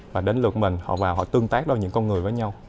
và đến lượt mình họ vào họ tương tác đâu những con người với nhau